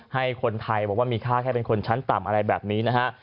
ให้คนไทยบอกว่ามีค่าแค่เป็นคนชั้นต่ำอะไรแบบนี้นะฮะ